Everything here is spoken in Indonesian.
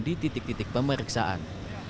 di titik titik pemeriksaan